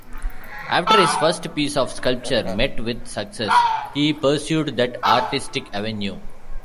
After his first piece of sculpture met with success, he pursued that artistic avenue.